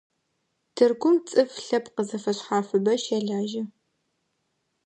Тыркум цӀыф лъэпкъ зэфэшъхьафыбэ щэлажьэ.